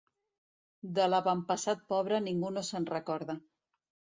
De l'avantpassat pobre ningú no se'n recorda.